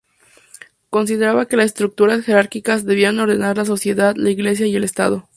Consideraba que las estructuras jerárquicas debían ordenar la sociedad, la Iglesia y el Estado.